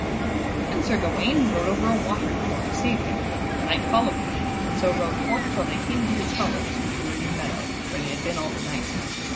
Then Sir Gawaine rode over a water for to save him, and the knight followed him, and so rode forth till they came to his fellows which were in the meadow, where they had been all the night.